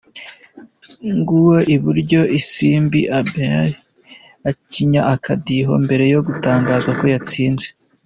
Nguwo i Buryo Isimbi Abiellah acinya akadiho mbere yo gutangaza ko yatsinze.